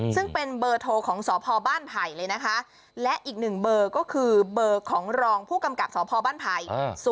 ซึ่งเป็นเบอร์โทรของสพบ้านไผ่เลยนะคะและอีกหนึ่งเบอร์ก็คือเบอร์ของรองผู้กำกับสพบ้านไผ่